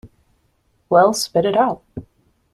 Well, spit it out!